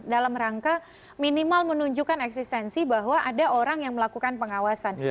dalam rangka minimal menunjukkan eksistensi bahwa ada orang yang melakukan pengawasan